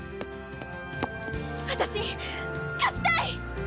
私勝ちたい！